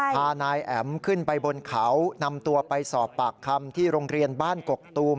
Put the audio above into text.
พานายแอ๋มขึ้นไปบนเขานำตัวไปสอบปากคำที่โรงเรียนบ้านกกตูม